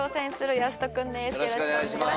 よろしくお願いします。